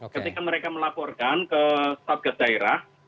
ketika mereka melaporkan ke satgas daerah